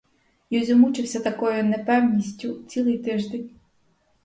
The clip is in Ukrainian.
Юзьо мучився такою непевністю цілий тиждень.